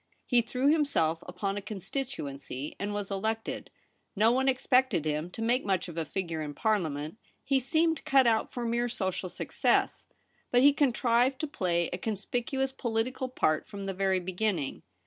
He threw himself upon a constituency, and was elected. No one expected him to make much of a figure in Parliament. He seemed cut out for mere social success ; but he contrived to play a conspicuous political part from the very be ginning.